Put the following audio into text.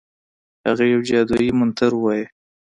هغه یو جادویي منتر ووایه.